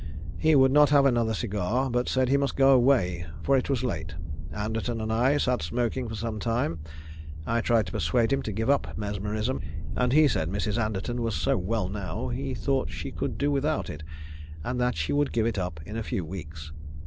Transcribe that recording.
He would not have another cigar, but said he must go away, for it was late. Anderton and I sat smoking for some time. I tried to persuade him to give up mesmerism, and he said Mrs. Anderton was so well now, he thought she could do without it, and that she would give it up in a few weeks.